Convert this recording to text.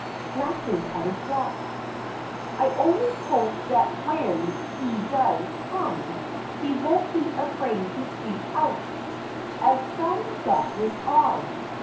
(Glances at his watch.) I only hope that when he does come he won't be afraid to speak out, as some doctors are.